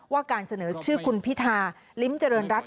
ว่าการเสนอชื่อคุณพิธาฤทธิ์ริมเจริญรัด